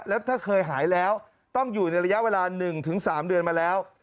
แล้วถ้าเคยหายแล้วต้องอยู่ในระยะเวลา๑๓เดือนมาแล้ว